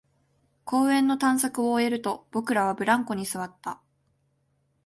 公園の探索を終えると、僕らはブランコに座った